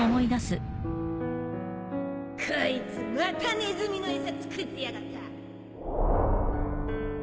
こいつまたネズミの餌作ってやがった！